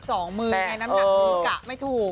สองมือไงน้ำหนักมือกะไม่ถูก